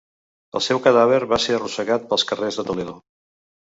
El seu cadàver va ser arrossegat pels carrers de Toledo.